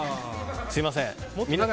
すみません。